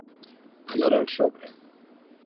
Anar al sobre.